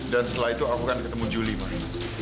dan setelah itu aku akan ketemu juli mak